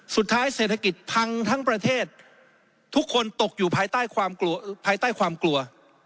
สุดท้ายเศรษฐกิจพังทั้งประเทศทุกคนตกอยู่ภายใต้ความกลัว